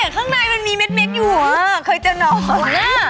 ข้างในเม็ดมักอยู่เคยจะนอน